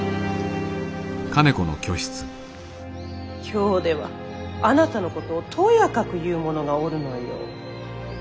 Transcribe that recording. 京ではあなたのことをとやかく言う者がおるのよ。